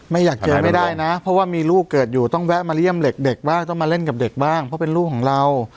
ไม่อยากเจอไม่ได้นะเพราะว่ามีลูกเกิดอยู่ต้องแวะมาเยี่ยมเด็กบ้างต้องมาเล่นกับเด็กบ้างเพราะเป็นลูกของเรา